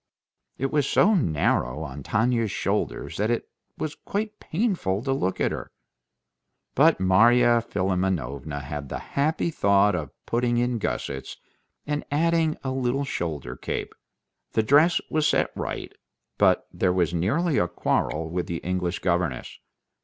It was so narrow on Tanya's shoulders that it was quite painful to look at her. But Marya Philimonovna had the happy thought of putting in gussets, and adding a little shoulder cape. The dress was set right, but there was nearly a quarrel with the English governess.